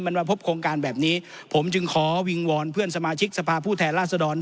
มันมาพบโครงการแบบนี้ผมจึงขอวิงวอนเพื่อนสมาชิกสภาพผู้แทนราษฎร